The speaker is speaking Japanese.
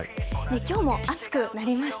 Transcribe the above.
きょうも暑くなりました。